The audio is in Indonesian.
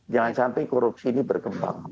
jangan sampai korupsi ini berkembang